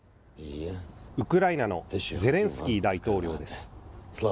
ウクライナのゼレンスキー大統領です。